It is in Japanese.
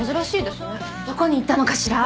どこに行ったのかしら？